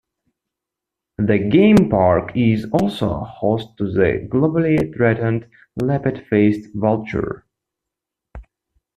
The game park is also host to the globally threatened lappet-faced vulture.